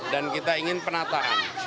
dan kita ingin penataan